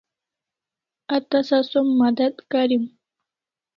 A tasa som madat karim